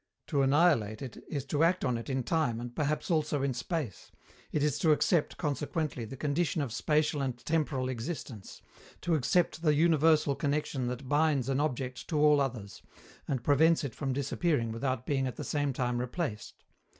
To annihilate it is to act on it in time and perhaps also in space; it is to accept, consequently, the condition of spatial and temporal existence, to accept the universal connection that binds an object to all others, and prevents it from disappearing without being at the same time replaced.